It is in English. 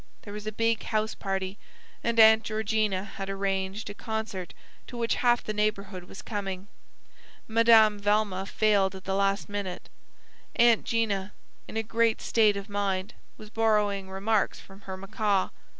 There was a big house party, and Aunt Georgina had arranged a concert to which half the neighbourhood was coming. Madame Velma failed at the last minute. Aunt 'Gina, in a great state of mind, was borrowing remarks from her macaw.